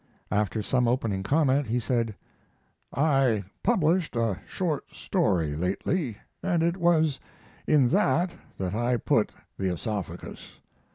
After some opening comment he said: I published a short story lately & it was in that that I put the oesophagus.